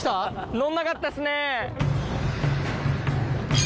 乗んなかったですね。